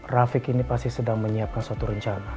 rafiq ini pasti sedang menyiapkan suatu rencana